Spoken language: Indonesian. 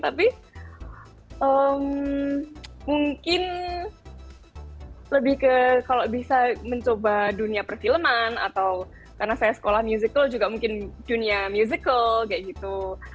tapi mungkin lebih ke kalau bisa mencoba dunia perfilman atau karena saya sekolah musical juga mungkin dunia musical kayak gitu